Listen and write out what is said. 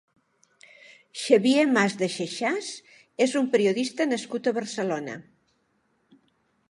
Xavier Mas de Xaxàs és un periodista nascut a Barcelona.